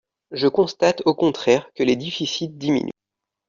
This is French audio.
Je constate, au contraire, que les déficits diminuent.